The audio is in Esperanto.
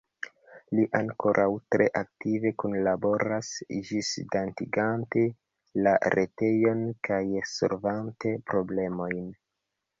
Li ankoraŭ tre aktive kunlaboras, ĝisdatigante la retejon kaj solvante problemojn.